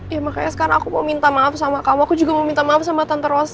ya makanya sekarang aku mau minta maaf sama kamu aku juga mau minta maaf sama tante ros